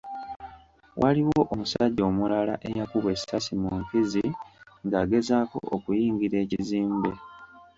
Waliwo omusajja omulala eyakubwa essasi mu nkizi ng’agezaako okuyingira ekizimbe .